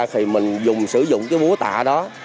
thì mình sử dụng búa tạ đó